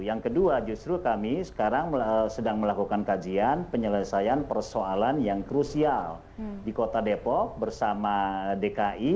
yang kedua justru kami sekarang sedang melakukan kajian penyelesaian persoalan yang krusial di kota depok bersama dki